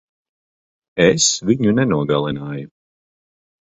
Es viņu nenogalināju.